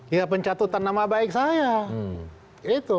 ya pencatutan nama baik saya